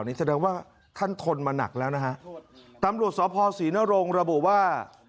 นี่แสดงว่าท่านทนมาหนักแล้วนะฮะตำรวจสพศรีนรงระบุว่า